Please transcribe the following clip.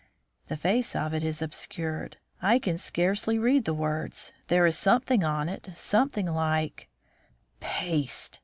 "The face of it is obscured. I can scarcely read the words. There is something on it. Something like " "Paste!"